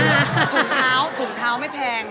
ถุงเท้าถุงเท้าไม่แพง